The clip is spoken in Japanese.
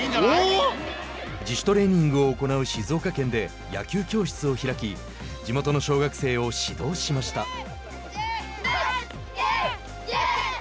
自主トレーニングを行う静岡県で野球教室を開き地元の小学生を指導しました。